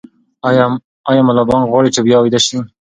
ایا ملا بانګ غواړي چې بیا ویده شي؟